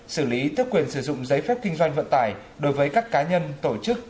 xử lý tước quyền sử dụng giấy phép kinh doanh vận tải đối với các cá nhân tổ chức